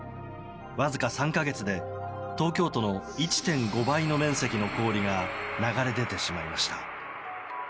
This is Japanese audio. わずか３か月で東京都の１．５倍の面積の氷が流れ出てしまいました。